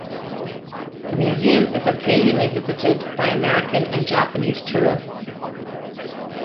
The museum is occasionally visited by American and Japanese tourists.